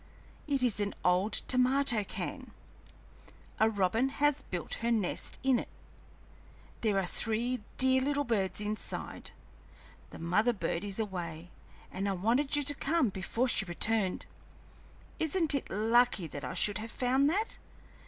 It is an old tomato can; a robin has built her nest in it; there are three dear little birds inside; the mother bird is away, and I wanted you to come before she returned. Isn't it lucky that I should have found that?